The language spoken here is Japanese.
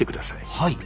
はい。